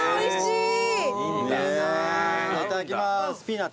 いただきます。